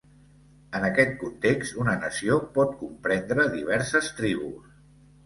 En aquest context, una nació pot comprendre diverses tribus.